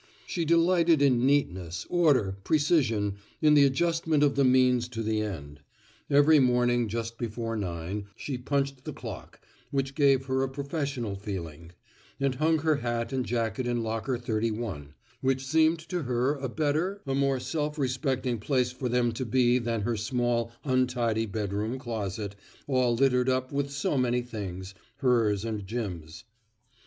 She delighted in neatness, order, precision, in the adjustment of the means to the end. Every morning just before nine, she punched the clock, which gave her a professional feeling; and hung her hat and jacket in locker 31, which seemed to her a better, a more self respecting place for them to be than her small, untidy bedroom closet, all littered up with so many things hers and Jim's.